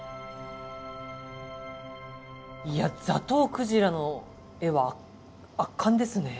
いやザトウクジラの画は圧巻ですね。